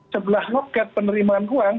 sebelah loket penerimaan uang